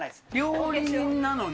料理人なのに。